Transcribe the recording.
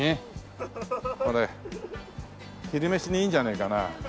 昼飯にいいんじゃねえかな。